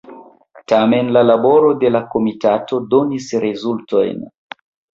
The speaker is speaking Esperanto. Tamen la laboro de la komitato donis rezultojn.